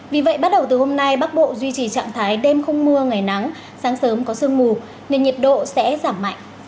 vì vậy bắt đầu từ hôm nay bắc bộ duy trì trạng thái đêm không mưa ngày nắng sáng sớm có sương mù nên nhiệt độ sẽ giảm mạnh